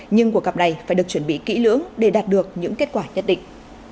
nhưng cuộc gặp này phải được chuẩn bị kỹ lưỡng để đạt được những kết quả nhất định